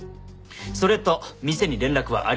それと店に連絡はありません。